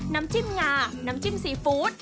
น้ำจิ้มงาน้ำจิ้มซีฟู้ด